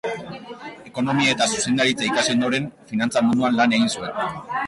Ekonomia eta zuzendaritza ikasi ondoren, finantza munduan lan egin zuen.